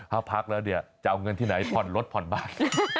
ถ้าพักแล้วเนี่ยจะเอาเงินที่ไหนผ่อนรถผ่อนบ้าน